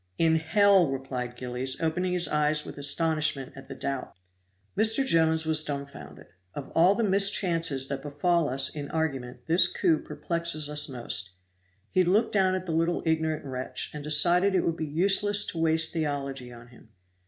"In hell!!!" replied Gillies, opening his eyes with astonishment at the doubt. Mr. Jones was dumfounded; of all the mischances that befall us in argument this coup perplexes us most. He looked down at the little ignorant wretch, and decided it would be useless to waste theology on him.